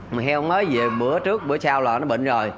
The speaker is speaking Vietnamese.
mà heo mới về bữa trước bữa sau là nó bệnh rồi